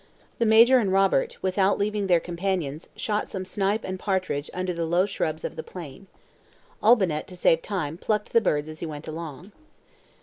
The Major and Robert, without leaving their companions, shot some snipe and partridge under the low shrubs of the plain. Olbinett, to save time, plucked the birds as he went along.